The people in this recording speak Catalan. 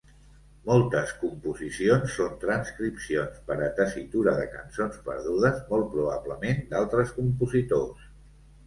Moltes composicions són transcripcions per a tessitura de cançons perdudes molt probablement d'altres compositors.